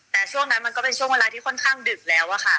แต่ช่วงนั้นมันก็เป็นช่วงเวลาที่ค่อนข้างดึกแล้วอะค่ะ